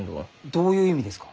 どういう意味ですか？